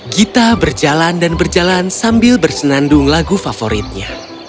gita berjalan dan berjalan sambil bersenandung lagu favoritnya